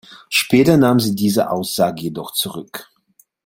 Später nahm sie diese Aussage jedoch zurück.